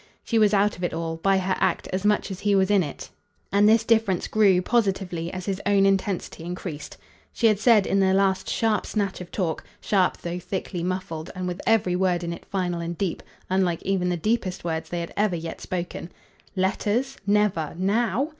She was out of it all, by her act, as much as he was in it; and this difference grew, positively, as his own intensity increased. She had said in their last sharp snatch of talk sharp though thickly muffled, and with every word in it final and deep, unlike even the deepest words they had ever yet spoken: "Letters? Never NOW.